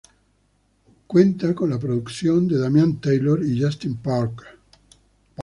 Cuenta con la producción de Damian Taylor y Justin Parker.